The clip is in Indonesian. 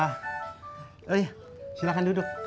oh iya silahkan duduk